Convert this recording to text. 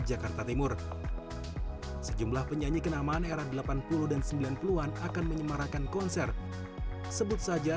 jakarta timur sejumlah penyanyi kenamaan era delapan puluh dan sembilan puluh an akan menyemarakan konser sebut saja